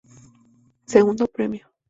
Segundo Premio.